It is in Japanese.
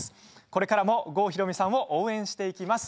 これからも郷ひろみさんを応援していきます。